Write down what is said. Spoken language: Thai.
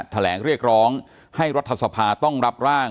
แถลงเรียกร้องให้รัฐสภาต้องรับร่าง